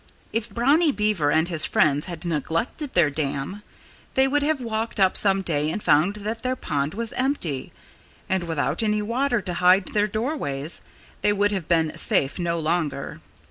If Brownie Beaver and his friends had neglected their dam, they would have waked up some day and found that their pond was empty; and without any water to hide their doorways they would have been safe no longer.